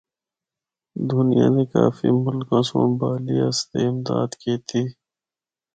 دُنیا دے کافی ملکاں سنڑ بحالی اسطے امداد کیتی۔